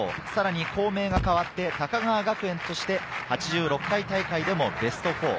さらに校名が変わって高川学園として８６回大会でもベスト４。